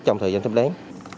trong thời gian sắp đến